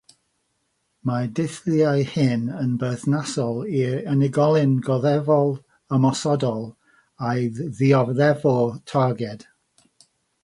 Mae'r dulliau hyn yn berthnasol i'r unigolyn goddefol-ymosodol a'i ddioddefwr targed.